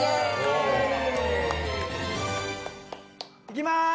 いきまーす！